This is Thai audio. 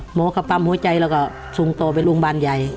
หมอก็ปั๊มหัวใจแล้วก็ส่งต่อไปโรงพยาบาลใหญ่